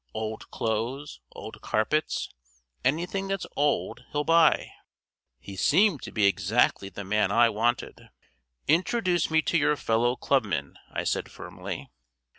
Old clothes, old carpets, anything that's old he'll buy." He seemed to be exactly the man I wanted. "Introduce me to your fellow clubman," I said firmly.